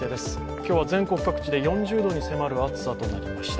今日は全国各地で４０度に迫る暑さとなりました。